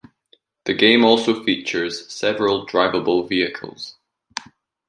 The game also features several driveable vehicles.